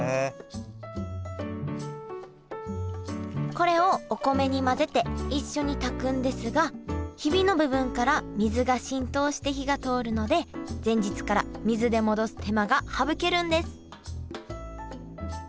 これをお米に混ぜて一緒に炊くんですがヒビの部分から水が浸透して火が通るので前日から水で戻す手間が省けるんです